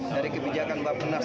dari kebijakan bapak nas